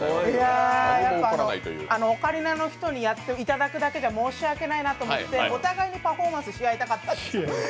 オカリナの人にいただくだけじゃ申し訳ないなと思ってお互いにパフォーマンスし合いたかったんですよ。